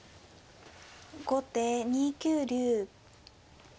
後手２九竜。